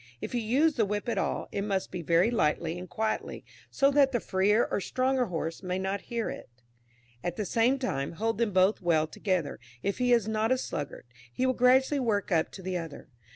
If you use the whip at all, it must be very lightly and quietly, so that the freer or stronger horse may not hear it. At the same time, hold them both well together; if he is not a sluggard, he will gradually work up to the other.